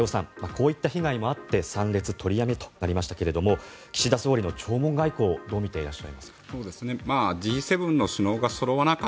こういった被害もあって参列取りやめとなりましたが岸田総理の弔問外交をどう見ていらっしゃいますか？